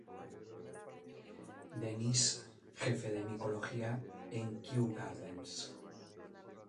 Dennis, jefe de micología en Kew Gardens.